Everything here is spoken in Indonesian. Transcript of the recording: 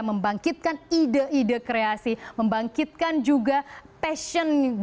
membangkitkan ide ide kreasi membangkitkan juga passion dalam suasana kerja